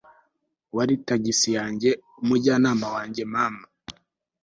wari tagisi yanjye, umujyanama wanjye, mama